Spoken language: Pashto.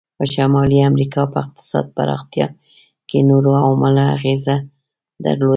په شمالي امریکا په اقتصاد پراختیا کې نورو عواملو اغیزه درلوده.